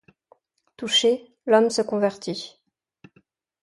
Touché, l'homme se convertit.